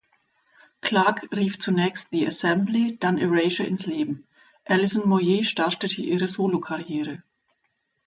Clarke rief zunächst The Assembly, dann Erasure ins Leben; Alison Moyet startete ihre Solokarriere.